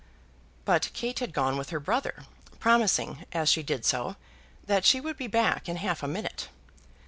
But Kate had gone with her brother, promising, as she did so, that she would be back in half a minute.